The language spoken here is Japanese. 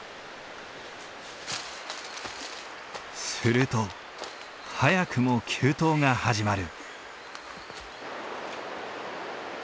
すると早くも急登が始まる。